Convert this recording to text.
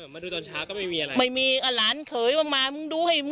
มาดูตอนเช้าก็เลยมีอะไรแล้วอะไรฤพฤพฤ